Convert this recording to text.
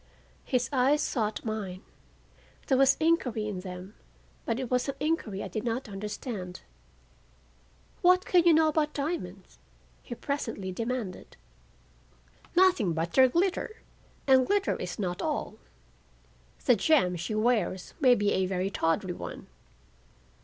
His eyes sought mine. There was inquiry in them, but it was an inquiry I did not understand. "What can you know about diamonds?" he presently demanded. "Nothing but their glitter, and glitter is not all,—the gem she wears may be a very tawdry one."